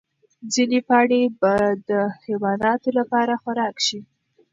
ځینې پاڼې به د حیواناتو لپاره خوراک شي.